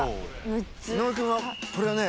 井上君はこれはね